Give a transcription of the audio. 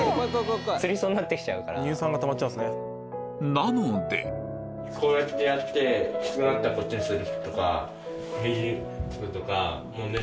なのでこうやってやってきつくなったらこっちでする。